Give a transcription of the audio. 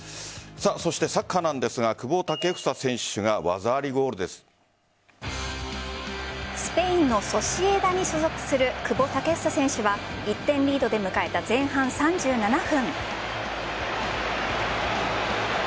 そしてサッカーなんですが久保建英選手がスペインのソシエダに所属する久保建英選手は１点リードで迎えた前半３７分。